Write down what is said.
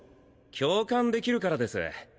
共感できるからです。